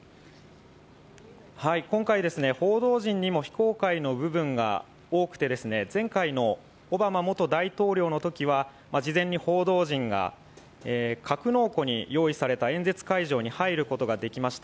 今回、報道陣にも非公開の部分が多くて、前回のオバマ元大統領のときには事前に報道陣が格納庫に用意された演説会場に入ることができました。